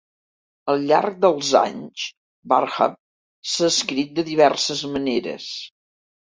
Al llarg dels anys, Barham s'ha escrit de diverses maneres.